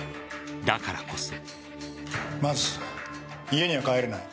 だからこそ。